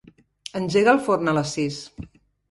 Engega el forn a les sis.